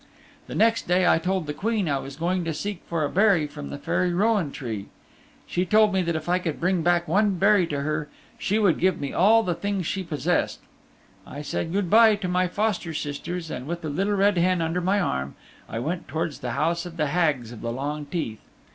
The next day I told the Queen I was going to seek for a berry from the Fairy Rowan Tree. She told me that if I could bring back one berry to her she would give me all the things she possessed. I said good by to my foster sisters and with the Little Red Hen under my arm I went towards the house of the Hags of the Long Teeth.